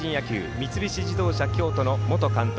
三菱自動車京都の元監督